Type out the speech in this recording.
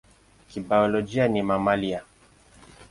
Kibiolojia ni mamalia.